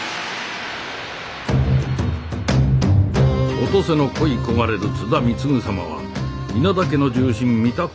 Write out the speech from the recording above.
お登勢の恋い焦がれる津田貢様は稲田家の重臣三田昂